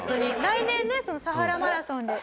来年ねそのサハラマラソンで。